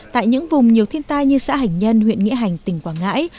tại những vùng nhiều thiên tai như xã hành nhân huyện nghĩa hành tỉnh quảng ngãi